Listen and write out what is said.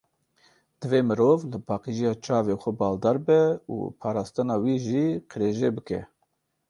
Divê mirov li paqijiya çavê xwe baldar be û parastina wî ji qirêjê bike.